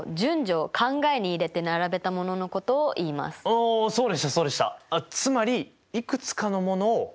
おおそうでしたそうでした。